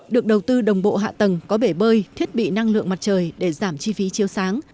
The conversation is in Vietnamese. được đầu tư đồng bộ hạ tầng có bể bơi thiết bị năng lượng mặt trời để giảm chi phí chiếu sáng